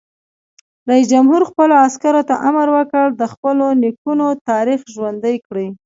رئیس جمهور خپلو عسکرو ته امر وکړ؛ د خپلو نیکونو تاریخ ژوندی کړئ!